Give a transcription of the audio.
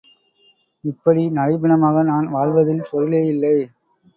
இப்படி நடைப்பிணமாக நான் வாழ்வதில் பொருளே இல்லை.